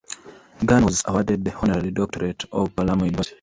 Gunn was awarded the honorary doctorate of Palermo University.